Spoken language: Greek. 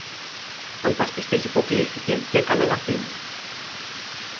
Ο υπασπιστής υποκλίθηκε κι έκανε να φύγει.